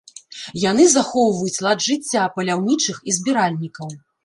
Яны захоўваюць лад жыцця паляўнічых і збіральнікаў.